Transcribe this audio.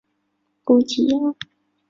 攻济阳。